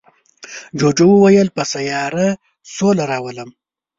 جوجو وویل په سیاره سوله راولم.